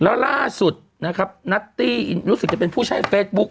แล้วล่าสุดนะครับนัตตี้รู้สึกจะเป็นผู้ใช้เฟซบุ๊ค